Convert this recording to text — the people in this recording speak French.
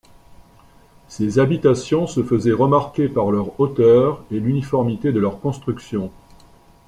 Ces habitations se faisaient remarquer par leur hauteur et l'uniformité de leur construction.